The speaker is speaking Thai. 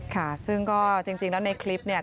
ค่ะซึ่งก็จริงแล้วในคลิปเนี่ย